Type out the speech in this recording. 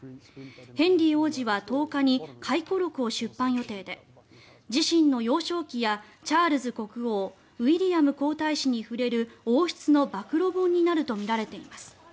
ヘンリー王子は１０日に回顧録を出版予定で自身幼少期やチャールズ国王ウィリアム皇太子に触れる王室の暴露本になるとみられています。